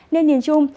nên nhìn chung